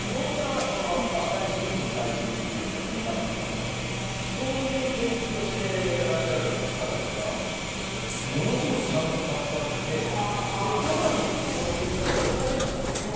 うんちも最新医療に役立つとありますけれどそういう研究をしていらっしゃる方々がものすごいちゃんとたくさんいて徐々にその結果が出始めているんです。